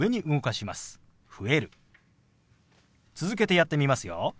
続けてやってみますよ。